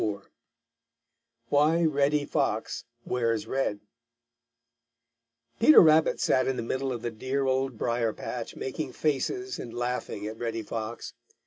IV WHY REDDY FOX WEARS RED Peter Rabbit sat in the middle of the dear Old Briar patch making faces and laughing at Reddy Fox.